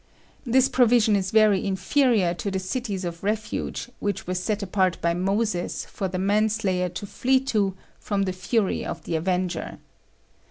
The provision is very inferior to the cities of refuge which were set apart by Moses for the manslayer to flee to from the fury of the avenger.